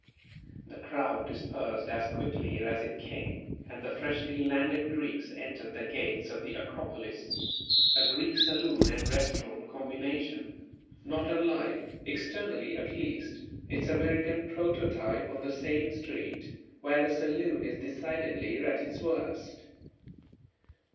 The crowd dispersed as quickly as it came and the freshly landed Greeks entered the gates of the "Acropolis," a Greek saloon and restaurant combination, not unlike (externally at least) its American prototype on the same street, where the saloon is decidedly at its worst.